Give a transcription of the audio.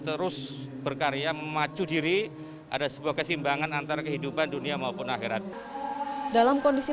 terus berkarya memacu diri ada sebuah kesimbangan antara kehidupan dunia maupun akhirat dalam kondisi